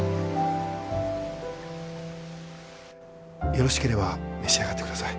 よろしければ召し上がってください。